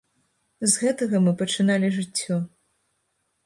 З гэтага мы пачыналі жыццё.